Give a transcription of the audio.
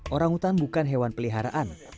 orangutan bukan hewan peliharaan